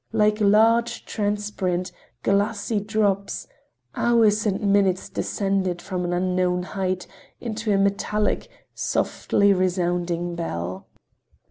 Like large, transparent, glassy drops, hours and minutes descended from an unknown height into a metallic, softly resounding bell.